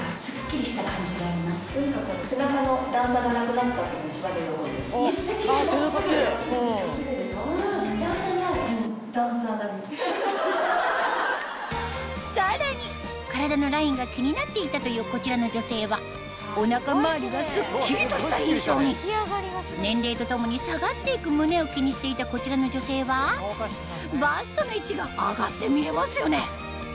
改めて感想を聞いてみるとさらに体のラインが気になっていたというこちらの女性はお腹周りがスッキリとした印象に年齢とともに下がって行く胸を気にしていたこちらの女性はバストの位置が上がって見えますよね